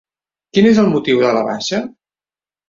Quin és el motiu de la baixa?